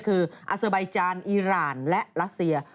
คืออาเซอร์ไบจานอีรานและรัสเซีย